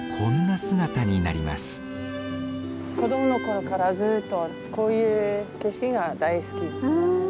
子供のころからずっとこういう景色が大好き。